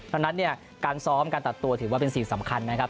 ตอนนั้นการซ้อมการตัดตัวถือว่าเป็นศีลสำคัญนะครับ